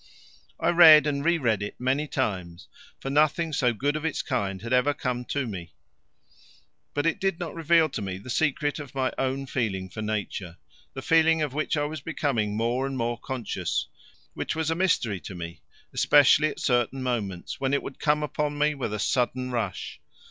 I read and re read it many times, for nothing so good of its kind had ever come to me, but it did not reveal to me the secret of my own feeling for Nature the feeling of which I was becoming more and more conscious, which was a mystery to me, especially at certain moments, when it would come upon me with a sudden rush.